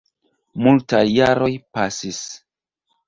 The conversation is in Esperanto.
Multaj jaros pasis.